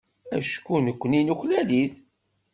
Acku nekkni nuklal-it.